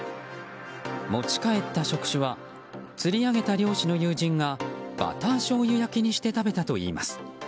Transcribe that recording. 持ち帰った触手は釣り上げた漁師の友人がバターしょうゆ焼きにして食べたといいます。